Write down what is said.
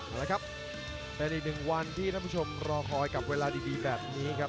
เอาละครับเป็นอีกหนึ่งวันที่ท่านผู้ชมรอคอยกับเวลาดีแบบนี้ครับ